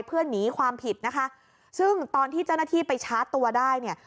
เพื่อหนีความผิดนะคะซึ่งตอนที่เจ้าหน้าที่ไปชาร์จตัวได้เนี่ย